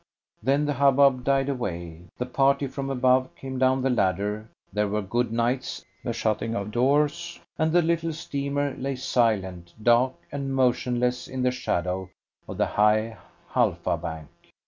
Then the hubbub died away, the party from above came down the ladder, there were "good nights," the shutting of doors, and the little steamer lay silent, dark, and motionless in the shadow of the high Halfa bank.